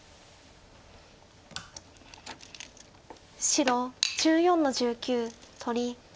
白１４の十九取り。